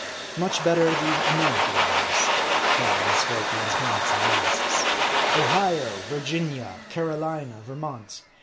Much better the American names (barring Scorpions, Hornets, and Wasps ;) Ohio, Virginia, Carolina, Vermont.